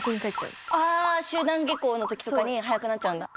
あ集団下校のときとかにはやくなっちゃうんだ。